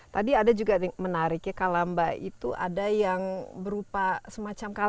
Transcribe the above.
tadi ada juga yang menariknya kalamba itu ada yang berupa semacam karakter